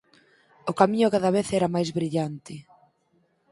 O camiño cada vez era máis brillante.